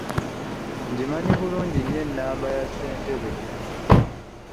Ngimanyi bulungi nnyo ennamba ya ssentebe.